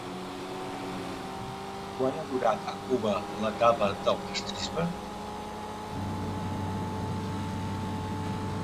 Quant ha durat a Cuba l'etapa de castrisme?